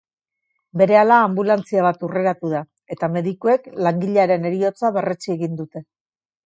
Berehala anbulantzia bat hurreratu da, eta medikuek langilearen heriotza berretsi egin dute.